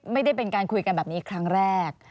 ไม่ได้เป็นการคุยกันแบบนี้ครั้งแรก